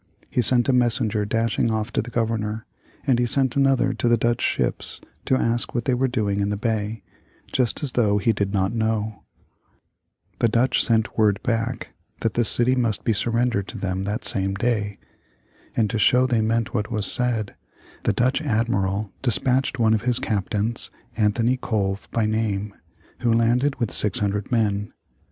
He sent a messenger dashing off to the Governor, and he sent another to the Dutch ships to ask what they were doing in the bay, just as though he did not know. The Dutch sent word back that the city must be surrendered to them that same day. And to show they meant what was said, the Dutch admiral despatched one of his captains, Anthony Colve by name, who landed with 600 men.